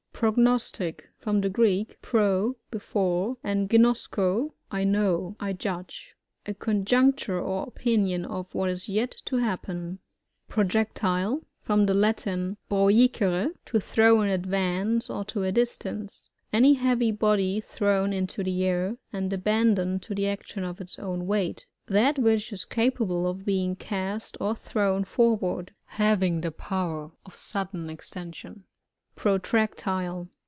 Prognostic. — From the Greek, pro, before, and ginosko, I know, I . judge. A conjecture or opinion of what is yet to happen. Projectile. — From the Latin, pro jicere, to throw in advance, or to a distance. Any heavy body thrown into the air, and abandoned to the action of its own weight. That which is capable of being cast or thrown forward. Having the power of sudden' extension. Protractile.